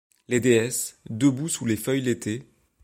Des déesses, debout sous les feuilles l'été ;